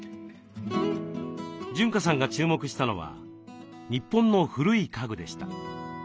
潤香さんが注目したのは日本の古い家具でした。